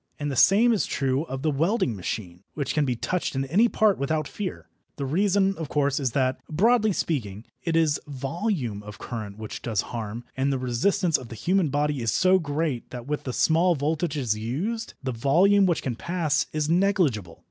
And the same is true of the welding machine, which can be touched in any part without fear. The reason, of course, is that, broadly speaking, it is volume of current which does harm, and the resistance of the human body is so great that with the small voltages used, the volume which can pass is negligible.